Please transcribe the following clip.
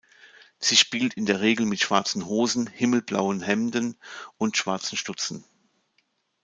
Sie spielt in der Regel mit schwarzen Hosen, himmelblauen Hemden und schwarzen Stutzen.